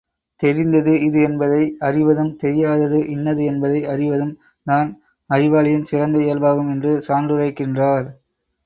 தெரிந்தது இது என்பதை அறிவதும் தெரியாதது இன்னது என்பதை அறிவதும் தான் அறிவாளியின் சிறந்த இயல்பாகும் என்று சான்றுரைக்கின்றார்!